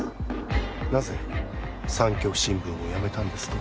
なぜ産教新聞を辞めたんですか？